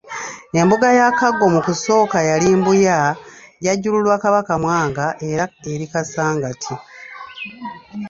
Embuga ya Kaggo mu kusooka yali Mbuya, Yajjululwa Kabaka Mwanga era eri Kasangati.